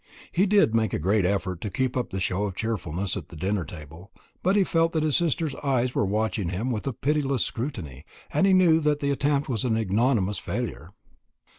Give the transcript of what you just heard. He did make a great effort to keep up a show of cheerfulness at the dinner table; but he felt that his sister's eyes were watching him with a pitiless scrutiny, and he knew that the attempt was an ignominious failure.